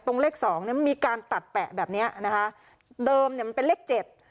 เลขสองเนี้ยมีการตัดแปะแบบเนี้ยนะคะเดิมเนี่ยมันเป็นเลขเจ็ด